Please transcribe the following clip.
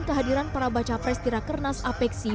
kehadiran para baca pres tira kernas apeksik